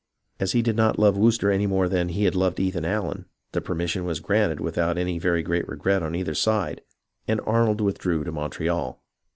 As he did not love Wooster any more than he had loved Ethan Allen, the permission was granted without any very great regret on either side, and Arnold withdrew to Montreal.